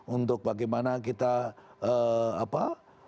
untuk bagaimana kita apa